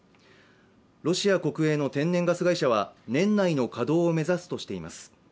ロシア国営の天然ガス会社は年内の稼働を目指すとしています。